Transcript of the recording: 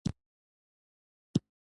مونږ ټکله ډوډي وخوړله.